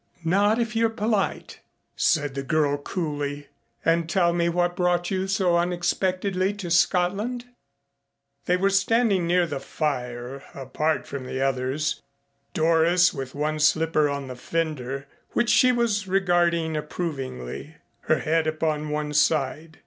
"Not if you're polite," said the girl coolly, "and tell me what brought you so unexpectedly to Scotland." They were standing near the fire apart from the others, Doris with one slipper on the fender, which she was regarding approvingly, her head upon one side.